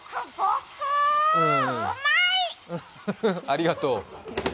ありがとう。